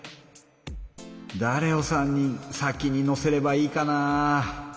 だれを３人先に乗せればいいかな？